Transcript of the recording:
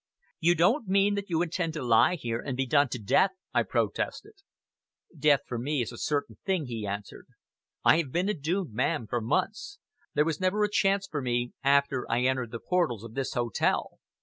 "You don't mean that you intend to lie here and be done to death?" I protested. "Death for me is a certain thing," he answered. "I have been a doomed man for months. There was never a chance for me after I entered the portals of this hotel.